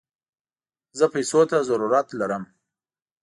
زه پيسوته ضرورت لم